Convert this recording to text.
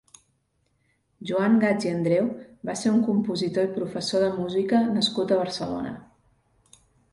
Joan Gaig i Andreu va ser un compositor i professor de música nascut a Barcelona.